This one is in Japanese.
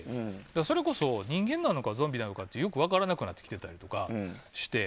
それこそ人間なのかゾンビなのかよく分からなくなってきていたりとかして。